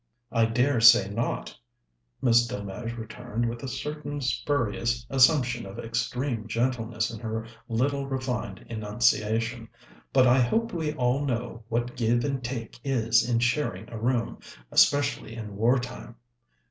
"I dare say not," Miss Delmege returned, with a certain spurious assumption of extreme gentleness in her little refined enunciation. "But I hope we all know what give and take is in sharing a room especially in war time."